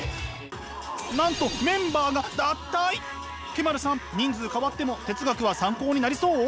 Ｋ−ｍａｒｕさん人数変わっても哲学は参考になりそう？